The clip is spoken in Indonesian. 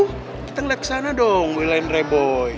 tuh kita ngeliat kesana dong wilayah reboy